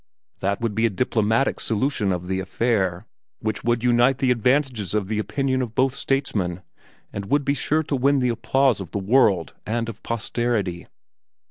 That would be a diplomatic solution of the affair, which would unite the advantages of the opinion of both statesmen and would be sure to win the applause of the world and of posterity."